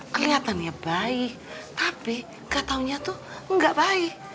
keliatannya baik tapi gatau nya tuh gak baik